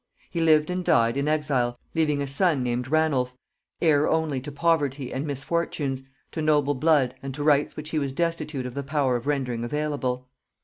He lived and died in exile, leaving a son, named Ranulph, heir only to poverty and misfortunes, to noble blood, and to rights which he was destitute of the power of rendering available.